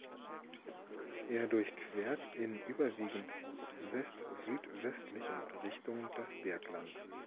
Er durchquert in überwiegend westsüdwestlicher Richtung das Bergland.